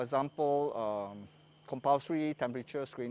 ada beberapa alasan yang kita lakukan